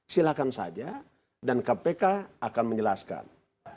silakan saja dan kpk akan menjelaskan